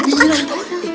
bibi yang ditanya